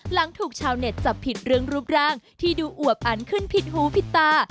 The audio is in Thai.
หลังถูกชาวเน็ตจับผิดเรื่องรูปร่างที่ดูอวบอันขึ้นผิดหูผิดตา